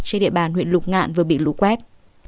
trên địa bàn huyện lục ngạn vừa bị lũ quét